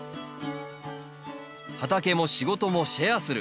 畑も仕事もシェアする。